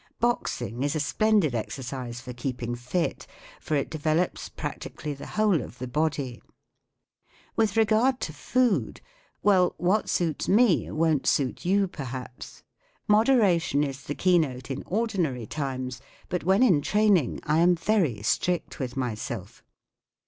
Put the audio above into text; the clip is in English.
Boxing is a splendid exercise for keeping fit, for it de¬ velops practically the whole of the body* With regard to food —well, what suits me won't suit you* per¬ haps. Moderation is the keynote in ordin¬ ary times, but when in training I am very strict with myself.